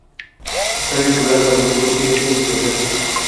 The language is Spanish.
Estaba vinculado al grupo "Ciencia y Progreso".